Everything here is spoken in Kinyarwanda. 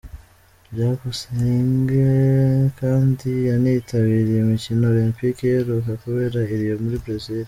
Byukusenge kandi yanitabiriye imikino Olempike iheruka kubera i Rio muri Brezil.